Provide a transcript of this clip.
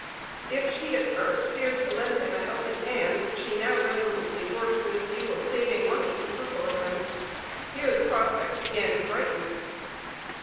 If she at first feared to lend him a helping hand, she now resolutely worked with a view of saving money to succor him. Here the prospect began to brighten.